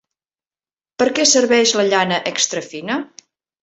Per què serveix la llana extrafina?